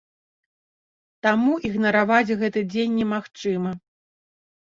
Таму ігнараваць гэты дзень немагчыма.